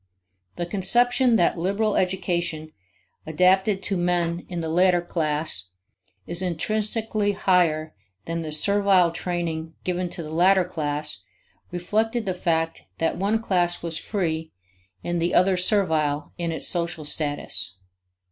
The conception that liberal education, adapted to men in the latter class, is intrinsically higher than the servile training given to the latter class reflected the fact that one class was free and the other servile in its social status.